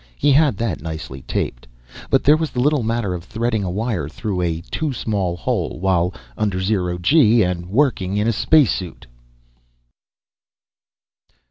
He had that nicely taped. But there was the little matter of threading a wire through a too small hole while under zero g, and working in a spacesuit!